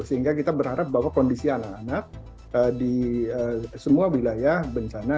sehingga kita berharap bahwa kondisi anak anak di semua wilayah bencana